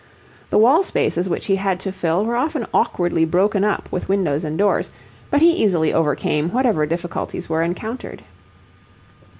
The wall spaces which he had to fill were often awkwardly broken up with windows and doors, but he easily overcame whatever difficulties were encountered.